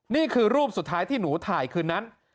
นี่คือรูปสุดท้ายที่หนูถ่ายคืนนั้น